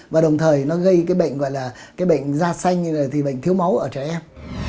và đồng thời nó gây cái bệnh gọi là cái bệnh da xanh như là thì bệnh thiếu máu ở trẻ em